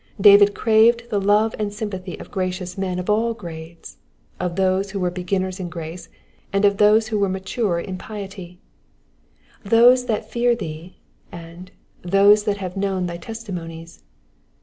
David craved the love and sympathy of gracious men of all jgrades, — of those who were beginners in grace, and of those who were mature in piety — "those that fear thee,*' and those that have known thy testimonies."